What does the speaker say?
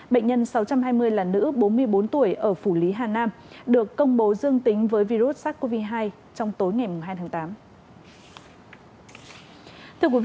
bệnh nhân sáu trăm hai mươi là nữ bốn mươi bốn tuổi ở phủ lý hà nam được công bố dương tính với virus sars cov hai trong tối ngày hai tháng tám